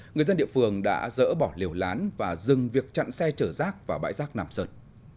người dân địa phương đã dỡ bỏ liều lán và dừng việc chặn xe chở rác vào bãi rác nam sơn